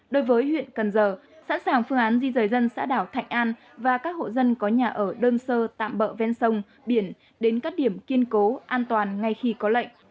đối với huyện cần giờ sẵn sàng phương án di rời dân xã đảo thạnh an và các hộ dân có nhà ở đơn sơ tạm bỡ ven sông biển đến các điểm kiên cố an toàn ngay khi có lệnh